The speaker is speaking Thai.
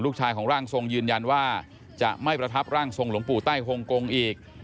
ลูกชายของร่างทรงยืนยันว่าจะไม่ประทับร่างทรงหลวงปู่ใต้ฮงกงอีก